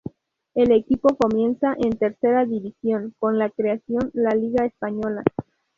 El equipo comienza en Tercera División con la creación la Liga española.